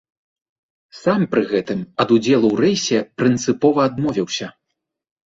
Сам пры гэтым ад удзелу ў рэйсе прынцыпова адмовіўся.